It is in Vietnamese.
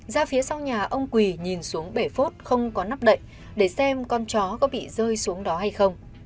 ra phía sau nhà ông quỳ nhìn xuống bể phốt không có nắp đậy để xem con chó có bị rơi xuống đó hay không